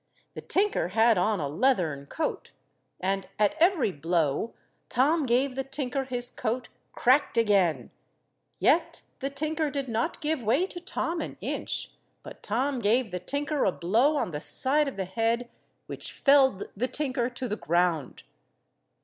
The tinker had on a leathern coat, and at every blow Tom gave the tinker his coat cracked again, yet the tinker did not give way to Tom an inch, but Tom gave the tinker a blow on the side of the head which felled the tinker to the ground.